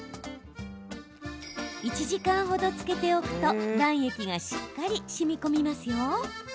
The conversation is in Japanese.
１時間程つけておくと卵液がしっかり、しみこみますよ。